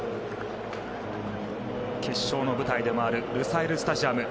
決勝の舞台でもあるルサイル・スタジアム。